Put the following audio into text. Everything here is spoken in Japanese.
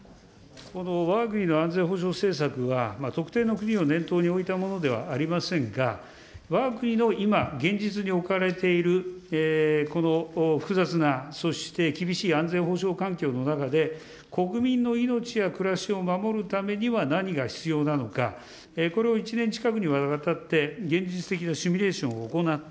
わが国の安全保障政策は、特定の国を念頭に置いたものではありませんが、わが国の今、現実に置かれているこの複雑な、そして厳しい安全保障環境の中で、国民の命や暮らしを守るためには何が必要なのか、これを１年近くにわたって現実的なシミュレーションを行った、